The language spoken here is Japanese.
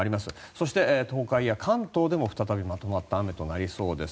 そして、東海や関東でも再びまとまった雨となりそうです。